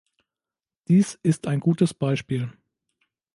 Dies ist ein gutes Beispiel.